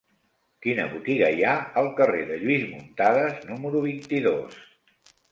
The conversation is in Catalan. Quina botiga hi ha al carrer de Lluís Muntadas número vint-i-dos?